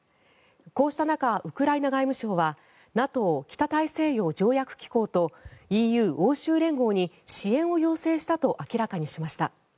こうした中、ウクライナ外務省はＮＡＴＯ・北大西洋条約機構とＥＵ・欧州連合に支援を要請したと明らかにしました。